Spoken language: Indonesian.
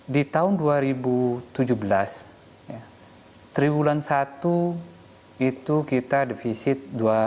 di tahun dua ribu tujuh belas triwulan satu itu kita defisit